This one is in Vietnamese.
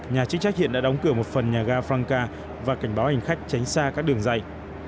nhà chức trách hiện đã đóng cửa một phần nhà ga franka và cảnh báo hành khách tránh xa các đường dây